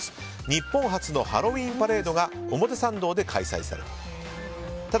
日本初のハロウィーンパレードが表参道で開催された。